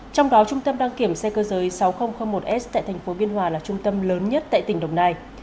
trong đó trung tâm đăng kiểm xe cơ giới sáu nghìn một s tại thành phố biên hòa là trung tâm lớn nhất tại tỉnh đồng nai